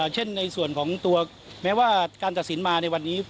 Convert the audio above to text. เช่นในส่วนของตัวแม้ว่าการตัดสินมาในวันนี้